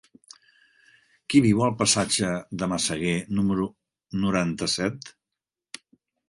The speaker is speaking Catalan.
Qui viu al passatge de Massaguer número noranta-set?